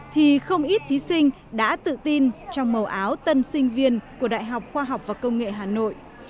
thì không ít thí sinh đã tự tin trong màu áo tân sinh viên của đại học khoa học và công nghệ hà nội